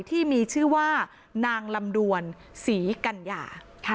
ที่มีชื่อว่านางลำดวนศรีกัญญา